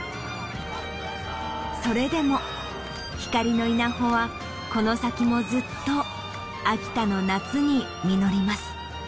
それでも光の稲穂はこの先もずっと秋田の夏に実ります。